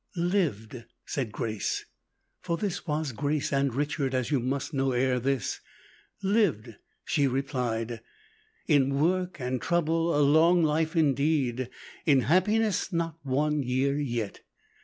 "Lived!" said Grace for this was Grace and Richard, as you must know ere this "lived!" she replied; "in work and trouble a long life indeed; in happiness, not one year yet.